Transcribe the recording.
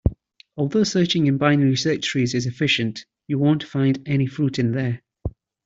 Although searching in binary search trees is efficient, you won't find any fruit in there.